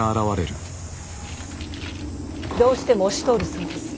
どうしても押し通るそうです。